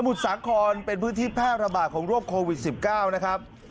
สมุทรสาครเป็นพื้นที่ผ้าระบายของโรคโควิดสิบเก้านะครับ